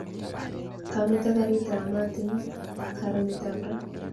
Kameto karitap mat eng karonetap ra